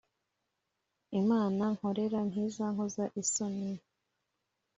imana nkorera ntizankoza isoni